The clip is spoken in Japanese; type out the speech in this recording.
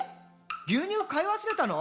牛乳買い忘れたの？」